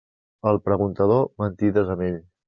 Al preguntador, mentides amb ell.